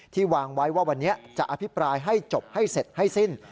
วางไว้ว่าวันนี้จะอภิปรายให้จบให้เสร็จให้สิ้น